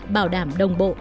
bảo đảm đồng bộ